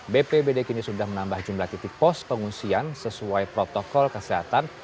bpbd kini sudah menambah jumlah titik pos pengungsian sesuai protokol kesehatan